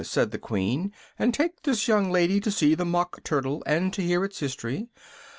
said the Queen, "and take this young lady to see the Mock Turtle, and to hear its history.